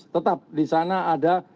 tetap di sana ada